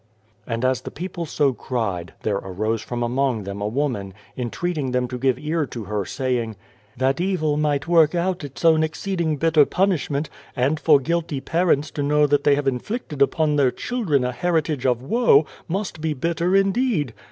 And as the people so cried, there arose from among them a woman, entreating them to give ear to her, saying :" That evil might work out its own exceed 43 God and the Ant ing bitter punishment and for guilty parents to know that they have inflicted upon their children a heritage of woe, must be bitter indeed